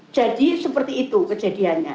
jadi seperti itu kejadiannya